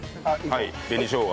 はい紅しょうが。